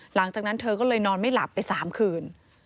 หลังจากนั้นเธอก็เลยนอนไม่หลับไป๓คืน